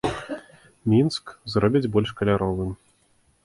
Мінск зробяць больш каляровым.